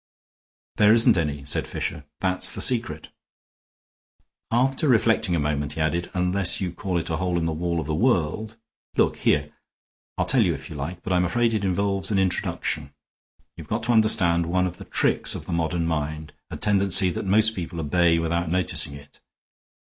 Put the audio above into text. "There isn't any," said Fisher. "That's the secret." After reflecting a moment, he added: "Unless you call it a hole in the wall of the world. Look here; I'll tell you if you like, but I'm afraid it involves an introduction. You've got to understand one of the tricks of the modern mind, a tendency that most people obey without noticing it.